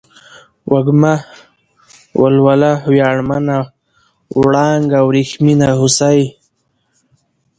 وږمه ، ولوله ، وياړمنه ، وړانگه ، ورېښمينه ، هوسۍ